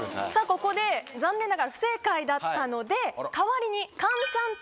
ここで残念ながら不正解だったので代わりに。